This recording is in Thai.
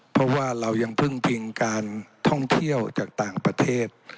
เพราะว่าเรายังพึ่งพิงการท่องเที่ยวจากต่างประเทศ